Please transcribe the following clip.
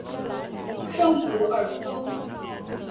圣古尔松。